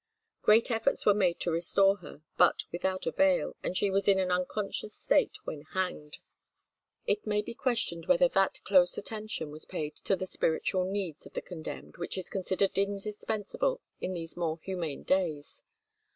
Great efforts were made to restore her, but without avail, and she was in an unconscious state when hanged. It may be questioned whether that close attention was paid to the spiritual needs of the condemned which is considered indispensable in these more humane days.